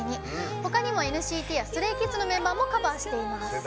他にもＮＣＴやＳｔｒａｙＫｉｄｓのメンバーなどもカバーしています。